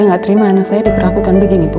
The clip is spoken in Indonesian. saya nggak terima anak saya diperlakukan begini bu